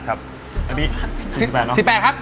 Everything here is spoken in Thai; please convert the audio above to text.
๔๘ครับอันนี้๔๘เนอะ